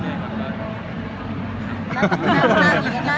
แสงเพื่อน